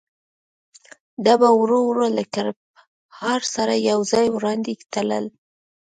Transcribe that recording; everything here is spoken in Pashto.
ډبه ورو ورو له کړپهار سره یو ځای وړاندې تلل.